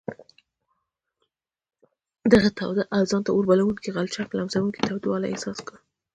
د هغه تاوده او ځان ته اوربلوونکي غلچک لمسوونکی تودوالی احساس کړ.